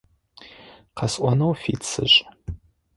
Къэсӏонэу фит сышӏ.